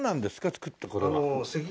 作ってこれは。